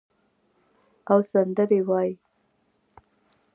او سندرې وایې